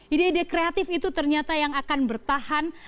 ide ide kreatif itu ternyata yang akan bertahan